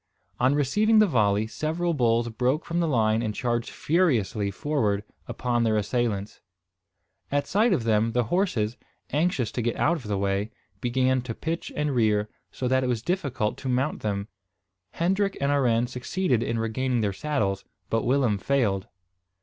On receiving the volley, several bulls broke from the line and charged furiously forward upon their assailants. At sight of them, the horses, anxious to get out of the way, began to pitch and rear, so that it was difficult to mount them. Hendrik and Arend succeeded in regaining their saddles; but Willem failed.